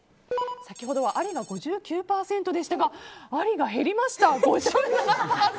先ほどはありが５９％でしたがありが減りました。